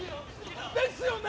ですよね？